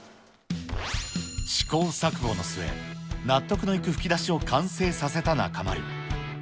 試行錯誤の末、納得のいく吹き出しを完成させた中丸。